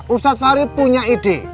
ustadz fahri punya ide